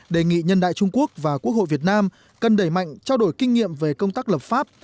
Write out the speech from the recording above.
đề nghị nhân đại trung quốc và quốc hội việt nam cần đẩy mạnh trao đổi kinh nghiệm về công tác lập pháp